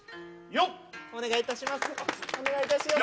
よっお願いします